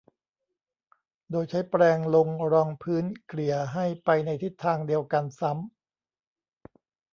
โดยใช้แปรงลงรองพื้นเกลี่ยให้ไปในทิศทางเดียวกันซ้ำ